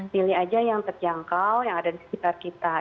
pilih aja yang terjangkau yang ada di sekitar kita